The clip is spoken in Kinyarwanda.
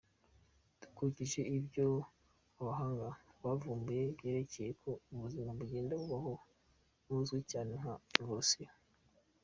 Dukurikije ibyo abahanga bavumbuye kubyerekeye uko ubuzima bugenda bubaho buzwi cyane nka evolution.